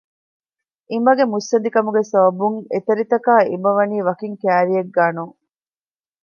އިނބަގެ މުއްސަނދި ކަމުގެ ސަބަބުން އެތަރިތަކާ އިނބަވަނީ ވަކިން ކައިރިއެއްގައެއް ނޫން